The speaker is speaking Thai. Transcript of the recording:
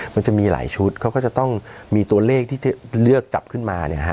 มันจะมีหลายชุดเขาก็จะต้องมีตัวเลขที่เลือกจับขึ้นมา